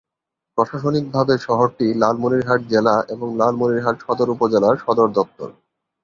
প্রশাসনিকভাবে শহরটি লালমনিরহাট জেলা এবং লালমনিরহাট সদর উপজেলার সদর দপ্তর।